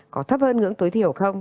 có thấp hơn ngưỡng tối thiểu không